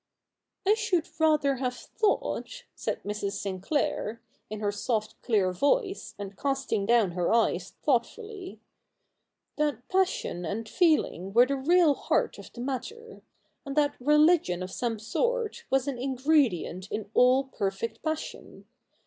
' I should rather have thought,' said Mrs. Sinclair, in her soft clear voice, and casting down her eyes thought fully, ' that passion and feeling were the real heart of the matter : and that religion of some sort was an ingredient in all perfect passion.